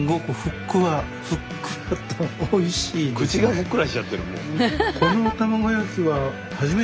口がふっくらしちゃってるもう。